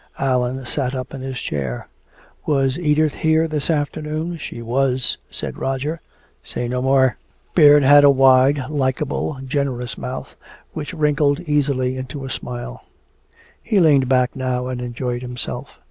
Allan sat up in his chair: "Was Edith here this afternoon?" "She was," said Roger. "Say no more." Baird had a wide, likable, generous mouth which wrinkled easily into a smile. He leaned back now and enjoyed himself.